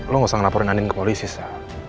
lo nggak usah ngelaporin andin ke polisi sa